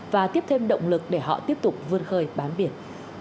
và tiếp thêm động lực để họ tiếp tục vươn khơi bám biển